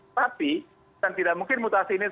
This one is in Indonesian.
tapi kan tidak mungkin mutasi ini